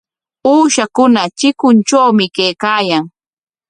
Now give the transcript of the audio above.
Uushakuna chikuntrawmi kaykaayan.